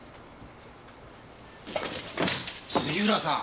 杉浦さん！